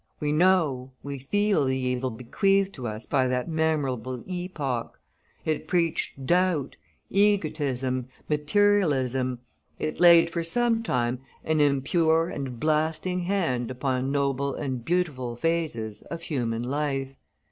We know, we feel the evil bequeathed to us by that memorable epoch. It preached doubt, egotism, materialism. It laid for some time an impure and blasting hand upon noble and beautiful phases of human life.